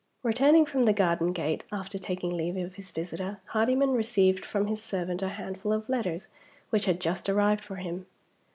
Returning from the garden gate, after taking leave of his visitor, Hardyman received from his servant a handful of letters which had just arrived for him.